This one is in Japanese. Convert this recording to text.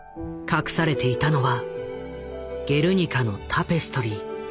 隠されていたのは「ゲルニカ」のタペストリー。